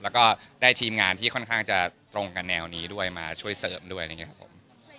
แล้วก็ได้ทีมงานที่ค่อนข้างจะตรงกับแนวนี้ด้วยมาช่วยเสิร์ฟด้วยนะครับผม